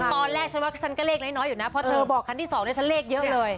ตอนแรกฉันว่าฉันก็เลขน้อยอยู่นะเพราะเธอบอกคันที่๒แล้วฉันเลขเยอะเลย